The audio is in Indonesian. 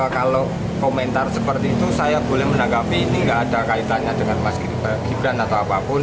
kalau komentar seperti itu saya boleh menanggapi ini tidak ada kaitannya dengan mas gibran atau apapun